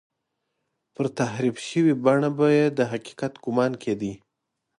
پر تحریف شوې بڼه به یې د حقیقت ګومان کېده.